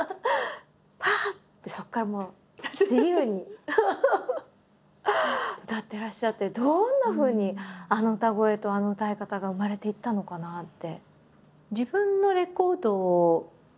ぱってそこからもう自由に歌ってらっしゃってどんなふうにあの歌声とあの歌い方が生まれていったのかなって。